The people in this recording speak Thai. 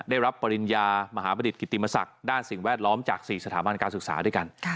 ได้รับปริญญามหาประดิษฐกิติมศักดิ์ด้านสิ่งแวดล้อมจาก๔สถาบันการศึกษาด้วยกัน